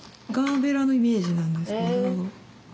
ガーベラのイメージなんですけど。